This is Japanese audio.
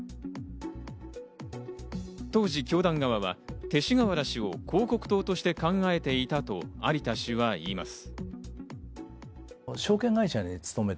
当時、教団側は勅使河原氏を広告塔として考えていたと有田氏は言います。